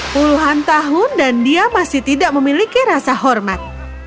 puluhan tahun dan dia masih tidak memiliki rasa hormat